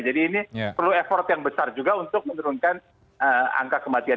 jadi ini perlu effort yang besar juga untuk menurunkan angka kematian